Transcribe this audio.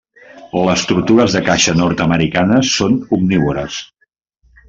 Les tortugues de caixa nord-americanes són omnívores.